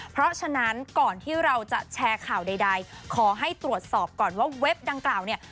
เพราะฉะนั้นก่อนที่เราจะแชร์ข่าวใดขอให้ตรวจสอบก่อนว่าเว็บดังกล่าวเนี่ย